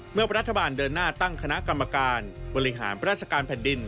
เมื่อรัฐบาลเดินหน้าตั้งคณะกรรมการบริหารราชการแผ่นดิน